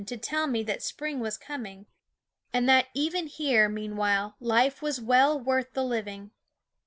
& SCHOOL OF to tell me that spring was coming, and that even here, meanwhile,* life was well worth the living.